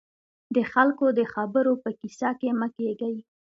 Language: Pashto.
د خلکو د خبرو په کيسه کې مه کېږئ.